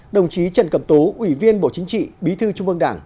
đồng chí trần cẩm tú ủy viên bộ chính trị bí thư trung ương đảng